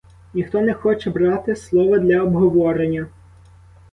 Ніхто не хоче брати слова для обговорення.